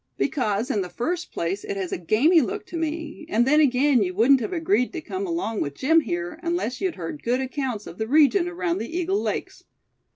"Because, in the first place it has a gamey look to me; and then again, you wouldn't have agreed to come along with Jim here, unless you'd heard good accounts of the region around the Eagle Lakes."